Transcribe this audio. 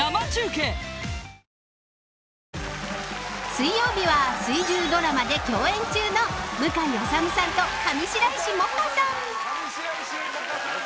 水曜日は水１０ドラマで共演中の向井理さんと上白石萌歌さん。